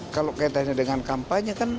kalau kaitannya dengan kampanye kan